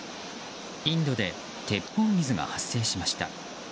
インドで、鉄砲水が発生しました。